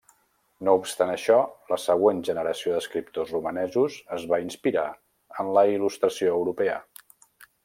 No obstant això, la següent generació d'escriptors romanesos es va inspirar en la Il·lustració europea.